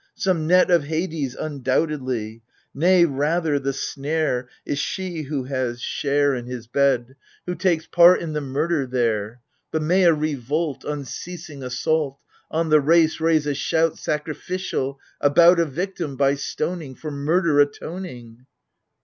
Some net of Hades undoubtedly ! Nay, rather, the snare Is she who has share 92 AGAMEMNON. In his bed, who takes part in the murder there ! But may a revolt — Unceasing assault — On the Race, raise a shout Sacrificial, about A victim — by stoning — For murder atoning